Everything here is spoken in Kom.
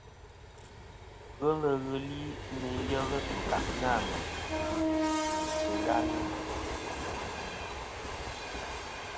Ghelɨ ghɨ li nɨn yelɨ ɨ̀nkâʼ nâ mèyn sɨ dyeyn tɨghami nɨ̀ mêyn.